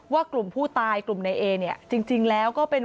ว่ากลุ่มผู้ตายกลุ่มในเอเนี่ยจริงแล้วก็เป็น